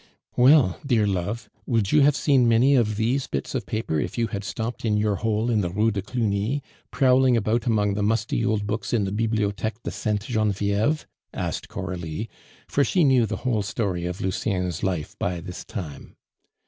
"Well, dear love, would you have seen many of these bits of paper if you had stopped in your hole in the Rue de Cluny, prowling about among the musty old books in the Bibliotheque de Sainte Genevieve?" asked Coralie, for she knew the whole story of Lucien's life by this time.